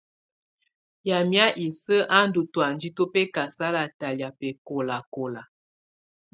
Yamɛ̀á isǝ́ á ndù tɔ̀ánjɛ tu bɛkasala talɛ̀́á bɛkɔlakɔla.